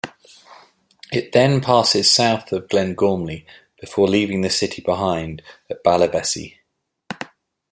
It then passes south of Glengormley before leaving the city behind at Ballyvesy.